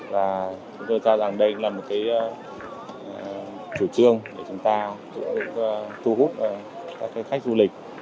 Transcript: và chúng tôi cho rằng đây là một chủ trương để chúng ta thu hút các khách du lịch